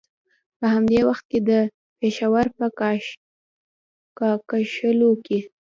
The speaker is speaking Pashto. په همدې وخت کې د پېښور په کاکشالو کې.